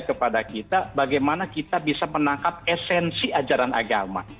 kepada kita bagaimana kita bisa menangkap esensi ajaran agama